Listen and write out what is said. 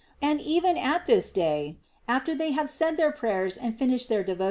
And as even at this day, after they have said their prayers and finished their devotion.